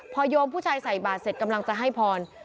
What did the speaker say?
พอโยมผู้ชายใส่บาทเสร็จกำลังจะให้พร